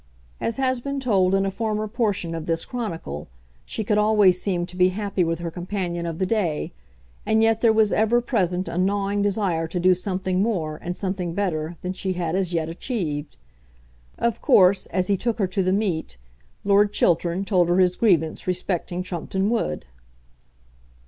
As has been told in a former portion of this chronicle, she could always seem to be happy with her companion of the day, and yet there was ever present a gnawing desire to do something more and something better than she had as yet achieved. Of course, as he took her to the meet, Lord Chiltern told her his grievance respecting Trumpeton Wood.